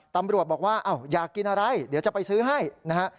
ตำรวจบอกว่าอยากกินอะไรเดี๋ยวจะไปซื้อให้นะฮะ